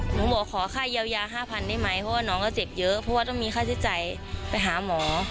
หนูบอกขอค่าเยียวยา๕๐๐ได้ไหมเพราะว่าน้องก็เจ็บเยอะเพราะว่าต้องมีค่าใช้จ่ายไปหาหมอ